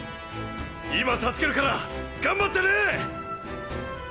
今助けるからがんばってね！！